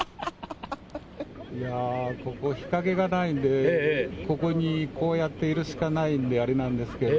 ここ、日陰がないんで、ここに、こうやっているしかないんで、あれなんですけど。